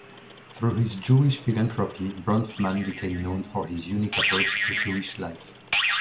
Through his Jewish philanthropy, Bronfman became known for his unique approach to Jewish life.